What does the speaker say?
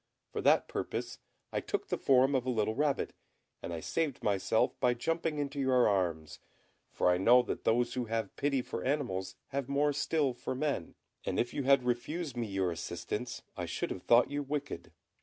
For that purpose I took the form of a little rabbit, and I saved myself by jumping into your arms; for I know that those who have pity for animals have more still for men; and if you had refused me your assistance I should have thought you wicked.